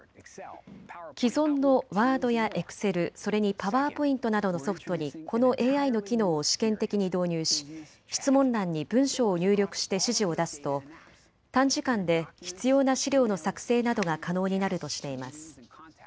既存のワードやエクセル、それにパワーポイントなどのソフトにこのＡＩの機能を試験的に導入し質問欄に文章を入力して指示を出すと短時間で必要な資料の作成などが可能になるとしています。